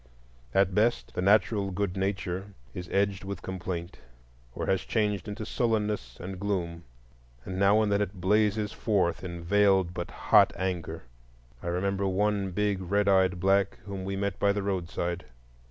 At best, the natural good nature is edged with complaint or has changed into sullenness and gloom. And now and then it blazes forth in veiled but hot anger. I remember one big red eyed black whom we met by the roadside.